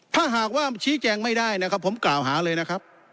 ถ้าหากว่าชี้แจงไม่ได้นะครับผมกล่าวหาเลยนะครับ